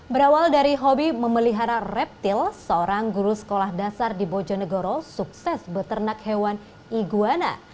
berawal dari hobi memelihara reptil seorang guru sekolah dasar di bojonegoro sukses beternak hewan iguana